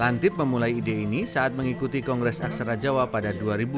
antip memulai ide ini saat mengikuti kongres aksara jawa pada dua ribu dua puluh